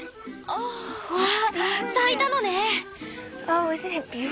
わあ咲いたのね！